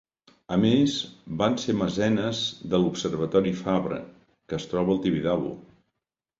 A més, van ser mecenes de l'Observatori Fabra, que es troba al Tibidabo.